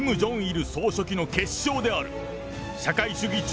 キム・ジョンイル総書記の結晶である社会主義